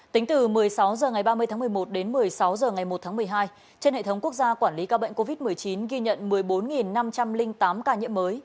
tính từ một mươi sáu h ngày ba mươi tháng một mươi một đến một mươi sáu h ngày một tháng một mươi hai trên hệ thống quốc gia quản lý ca bệnh covid một mươi chín ghi nhận một mươi bốn năm trăm linh tám ca nhiễm mới